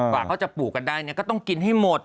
กว่าเขาจะปลูกกันได้เนี่ยก็ต้องกินให้หมด